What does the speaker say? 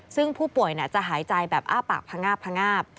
ซึ่งผู้ป่วยจะหายใจแบบอ้าปากพงาบพงาบ